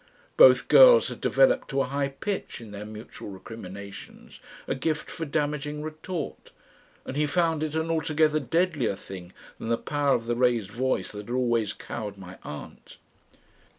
Both girls had developed to a high pitch in their mutual recriminations a gift for damaging retort, and he found it an altogether deadlier thing than the power of the raised voice that had always cowed my aunt.